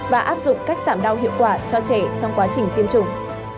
và áp dụng cách giảm đau hiệu quả cho trẻ trong quá trình tiêm chủng